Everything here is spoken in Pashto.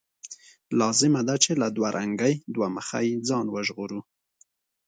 لازمه ده چې له دوه رنګۍ، دوه مخۍ ځان وژغورو.